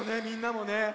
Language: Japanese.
みんなもね